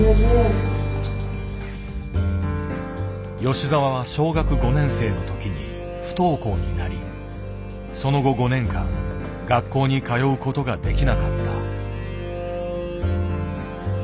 吉澤は小学５年生の時に不登校になりその後５年間学校に通うことができなかった。